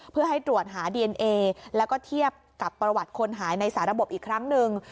เพื่อให้ตรวจหาดีเอนเอแล้วก็เทียบกับประวัติคนหายในสาระบบอีกครั้งหนึ่ง